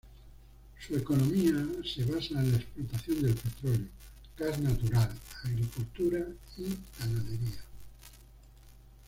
Su economía se basa en la explotación del petróleo, gas natural, agricultura y ganadería.